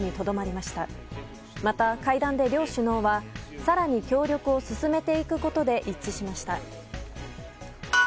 また、会談で両首脳は更に協力を進めていくことで一致しました。